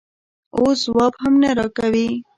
اوس ځواب هم نه راکوې؟